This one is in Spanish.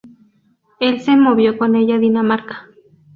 Él se movió con ella a Dinamarca.